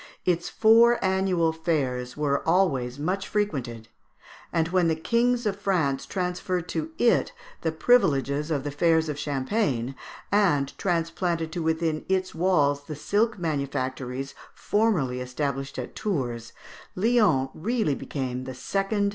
Its four annual fairs were always much frequented, and when the kings of France transferred to it the privileges of the fairs of Champagne, and transplanted to within its walls the silk manufactories formerly established at Tours, Lyons really became the second city of France.